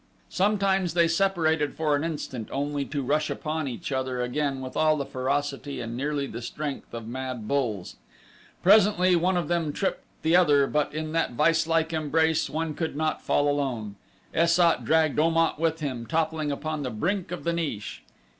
Sometimes they separated for an instant only to rush upon each other again with all the ferocity and nearly the strength of mad bulls. Presently one of them tripped the other but in that viselike embrace one could not fall alone Es sat dragged Om at with him, toppling upon the brink of the niche.